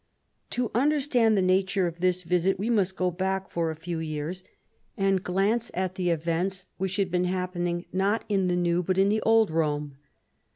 To understand the nature of this visit we must go back for a few years and glance at the CAROLUS AUGUSTUS. 241 events which had been happening not in the New but in the Old Rome.